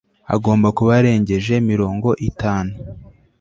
agomba kuba arengeje mirongo itanu